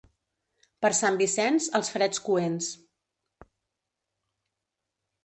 Per Sant Vicenç, els freds coents.